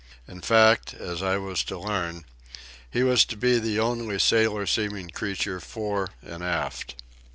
In fact, as I was to learn, he was to be the only sailor seeming creature fore and aft.